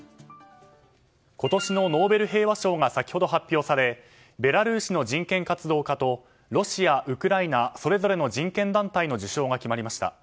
今年のノーベル平和賞が先ほど発表されベラルーシの人権活動家とロシア、ウクライナそれぞれの人権団体の受賞が決まりました。